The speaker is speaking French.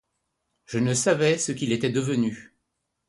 Je ne savais ce qu’il était devenu.